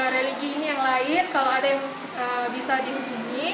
religi ini yang lain kalau ada yang bisa dihubungi